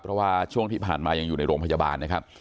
เพราะว่าช่วงที่ผ่านมายังอยู่ในโรงพยาบาลนะครับ